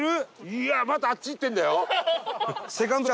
いやまたあっちいってるんだよ。